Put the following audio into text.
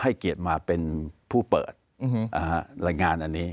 ให้เกียรติมาเป็นผู้เปิดรายงานอันนี้